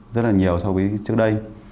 rất là nhiều so với trước đây